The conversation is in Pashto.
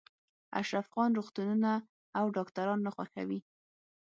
اشرف خان روغتونونه او ډاکټران نه خوښوي